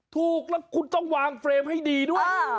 ถูกแล้วคุณต้องวางเฟรมให้ดีด้วย